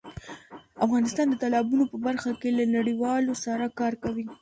افغانستان د تالابونو په برخه کې له نړیوالو سره کار کوي.